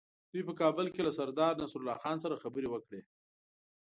دوی په کابل کې له سردار نصرالله خان سره خبرې وکړې.